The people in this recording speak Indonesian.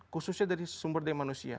khususnya dari sumber daya manusia